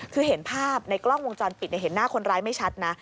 คือเห็นภาพในกล้องวงจรปิดเห็นหน้าคนร้ายไม่ชัดนะ